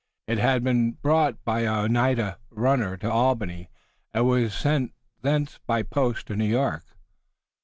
It had been brought by an Oneida runner to Albany, and was sent thence by post to New York.